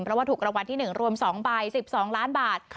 เพราะว่าถูกรางวัลที่๑รวม๒ใบ๑๒ล้านบาท